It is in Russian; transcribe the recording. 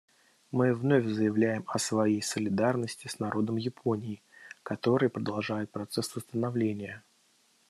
Мы вновь заявляем о своей солидарности с народом Японии, который продолжает процесс восстановления.